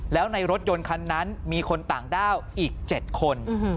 แล้วในรถยนต์คันนั้นมีคนต่างด้าวอีก๗คน